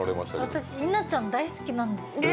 私、稲ちゃん、大好きなんです。